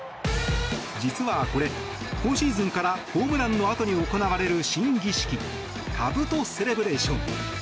実はこれ、今シーズンからホームランのあとに行われる新儀式かぶとセレブレーション。